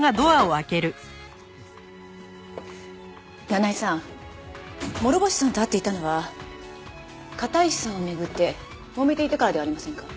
七井さん諸星さんと会っていたのは片石さんを巡ってもめていたからではありませんか？